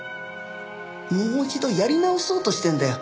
もう一度やり直そうとしてんだよ。